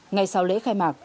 ngay sau lễ khai mạc